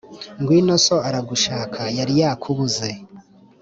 ngwino so aragushaka yari yakubuze